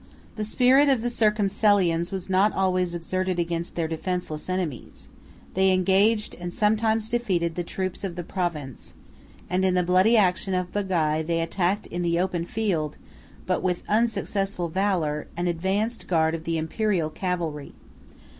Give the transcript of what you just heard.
The spirit of the Circumcellions was not always exerted against their defenceless enemies; they engaged, and sometimes defeated, the troops of the province; and in the bloody action of Bagai, they attacked in the open field, but with unsuccessful valor, an advanced guard of the Imperial cavalry.